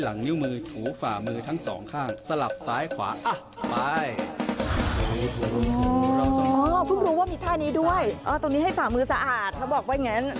อ้าวให้มันสะอาดไงด้านนี้มีฟอง